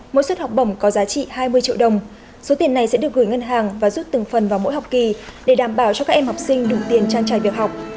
mỗi suất học bổng có giá trị hai mươi triệu đồng số tiền này sẽ được gửi ngân hàng và rút từng phần vào mỗi học kỳ để đảm bảo cho các em học sinh đủ tiền trang trải việc học